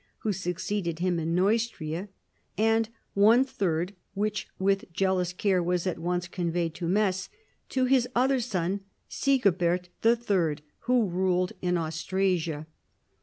wiio succeeded him in N^eustria, and one third (which with jealous care was at once conveyed to Metz) to his other son, Sigibert III., wlio ruled in Austrasia.